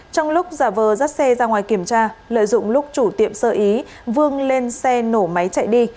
trong lúc giả vờ dắt xe ra ngoài kiểm tra lợi dụng lúc chủ tiệm sợ ý vương lên xe nổ máy chạy đi